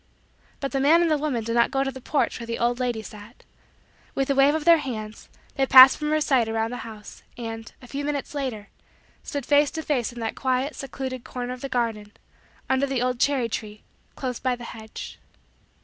But the man and the woman did not go to the porch where the old lady sat. With a wave of their hands, they passed from her sight around the house, and, a few minutes later, stood face to face in that quiet, secluded, corner of the garden, under the old cherry tree, close by the hedge.